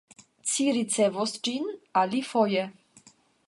Ci ricevos ĝin alifoje.